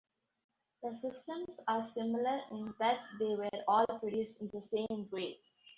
The systems are similar in that they were all produced in the same way.